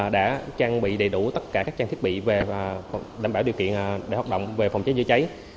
đã trang bị đầy đủ tất cả các trang thiết bị và đảm bảo điều kiện để hoạt động về phòng cháy chữa cháy